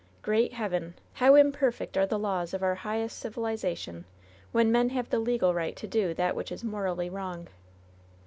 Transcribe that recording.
Great Heaven 1 how imperfect are the laws of our highest civi lization, when men have the legal right to do that which is morally wrong